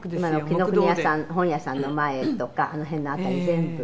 今の紀伊國屋さん本屋さんの前とかあの辺の辺り全部。